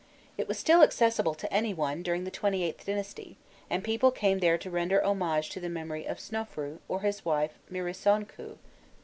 It was still accessible to any one during the XVIIIth dynasty, and people came there to render homage to the memory of Snofrûi or his wife Mirisônkhû.